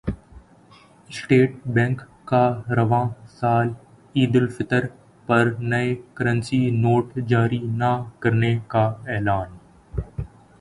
state bank کا رواں سال عیدالفطر پر نئے کرنسی نوٹ جاری نہ کرنے کا اعلان